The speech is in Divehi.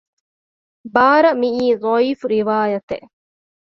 ބާރަ މިއީ ޟަޢީފު ރިވާޔަތެއް